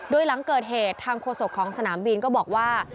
โดยหลังเกิดเหตุทางโฆษกของสนามบินก็บอกว่า